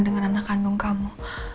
dengan anak kandung kamu